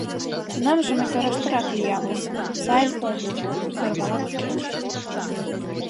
— «Тунамже мый тораштырак лиямыс, сайын ом уж», — сӧрвала кече.